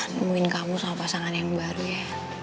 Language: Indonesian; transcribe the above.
nemuin kamu sama pasangan yang baru ya